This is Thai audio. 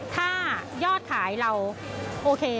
ถ้ายอดขายเราโอเค